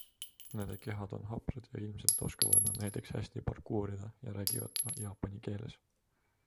Nende kehad on haprad ja ilmselt oskavad nad näiteks hästi parkuurida ja räägivad jaapani keeles.